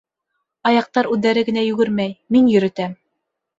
— Аяҡтар үҙҙәре генә йүгермәй, мин йөрөтәм...